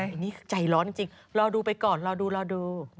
อันนี้ใจร้อนจริงรอดูไปก่อนรอดูรอดู